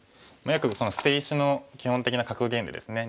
よく捨て石の基本的な格言でですね